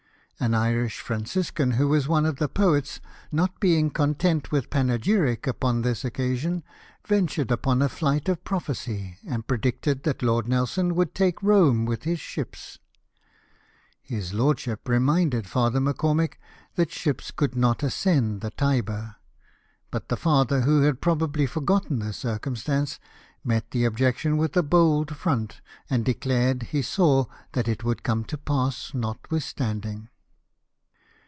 An Irish Franciscan who was one of the poets, not being content with panegyric upon this occasion, ventured upon a flight of prophecy, and predicted that Lord Nelson would take Eome with his ships. His lordship reminded Father M'Cormick that ships could not ascend the Tiber ; but the father, who had probably forgotten this circumstance, met the objection with a bold front, and declared he saw that it would come to pass notwithstanding.